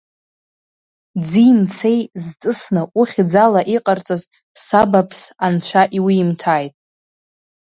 Ӡи-мцеи зҵысны ухьӡ ала иҟарҵаз сабаԥс анцәа иуиҭааит.